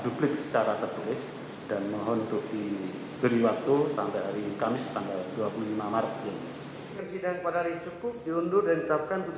duplik dari terdakwa atau dan atau proses hukum terdakwa